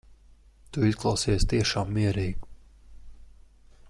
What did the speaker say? Tu izklausies tiešām mierīga.